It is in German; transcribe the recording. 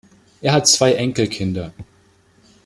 Er hat zwei Enkelkinder.